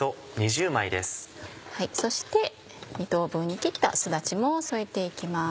そして２等分に切ったすだちも添えて行きます。